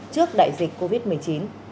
trước đại dịch covid một mươi chín